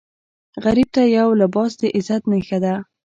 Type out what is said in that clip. غریب ته یو لباس د عزت نښه ده